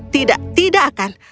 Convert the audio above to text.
tidak tidak akan